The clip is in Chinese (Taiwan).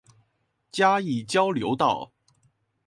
嘉義交流道